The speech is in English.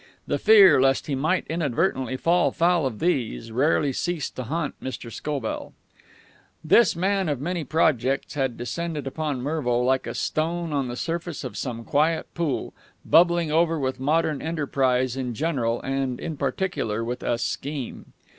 The fear lest he might inadvertently fall foul of these rarely ceased to haunt Mr. Scobell. This man of many projects had descended upon Mervo like a stone on the surface of some quiet pool, bubbling over with modern enterprise in general and, in particular, with a scheme.